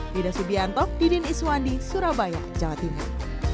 dida subianto didin iswandi surabaya jawa timur